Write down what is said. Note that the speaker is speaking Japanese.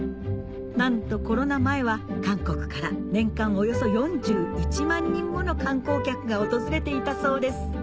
なんとコロナ前は韓国から年間およそ４１万人もの観光客が訪れていたそうです